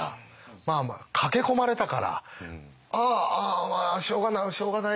まあまあ駆け込まれたからああああまあしょうがないしょうがない